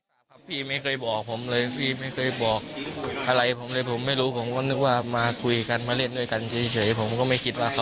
บุกมะกราดยิงถึงที่บ้านมีน้องผู้หญิงคนหนึ่งเกือบจะโดนลูกหลงไปด้วยนะคะ